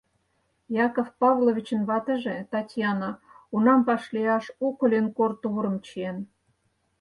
Яков Павловичын ватыже, Татьяна, унам вашлияш у коленкор тувырым чиен.